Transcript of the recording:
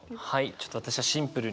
ちょっと私はシンプルに。